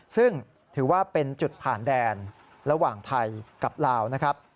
ซึ่งถือว่าเป็นจุดผ่านแดนระหว่างไทยกับลาวนะครับ